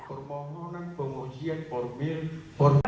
pemohonan pengujian formil